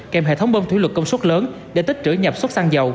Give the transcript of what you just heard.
kèm hệ thống bông thủy luật công suất lớn để tích trữ nhập xuất xăng dầu